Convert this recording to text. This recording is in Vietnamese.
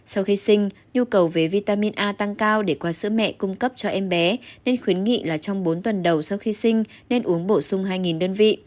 sau khi sinh nhu cầu về vitamin a tăng cao để qua sữa mẹ cung cấp cho em bé nên khuyến nghị là trong bốn tuần đầu sau khi sinh nên uống bổ sung hai đơn vị